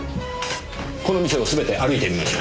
この店をすべて歩いてみましょう。